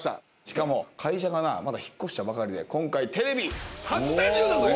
しかも会社がなまだ引っ越したばかりで今回テレビ初潜入だぜ！